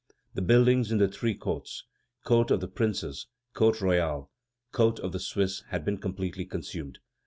The buildings in the three courts: Court of the Princes, Court Royal, Court of the Swiss, had been completely consumed.